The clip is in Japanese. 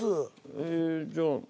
ええじゃあ。